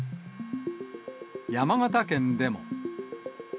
山形県でも。